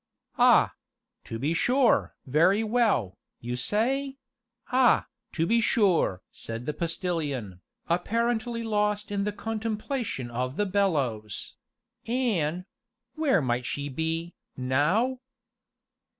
"Ah to be sure! very well, you say? ah, to be sure!" said the Postilion, apparently lost in contemplation of the bellows; "an' where might she be, now?"